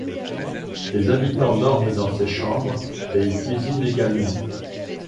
Les habitants dorment dans ces chambres et y cuisinent également.